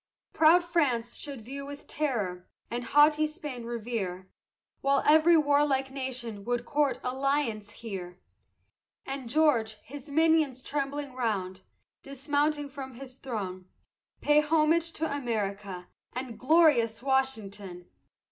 Proud France should view with terror, and haughty Spain revere, While every warlike nation would court alliance here; And George, his minions trembling round, dismounting from his throne Pay homage to America and glorious Washington!